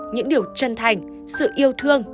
những điều chân thành sự yêu thương